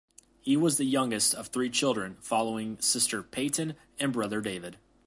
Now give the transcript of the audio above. He was the youngest of three children, following sister Peyton and brother David.